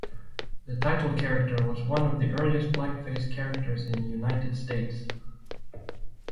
The title character was one of the earliest blackface characters in the United States.